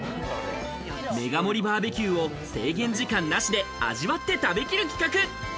メガ盛りバーベキューを制限時間なしで味わって食べきる企画。